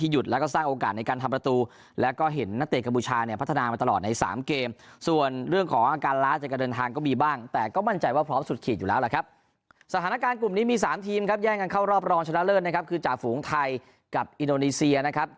สถานการณ์กลุ่มนี้มี๓ทีมครับแย่งกันเข้ารอบรองชนะเลิศนะครับคือจ่าฝูงไทยกับอินโดนีเซียนะครับ